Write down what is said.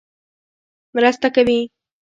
مرسته کوي.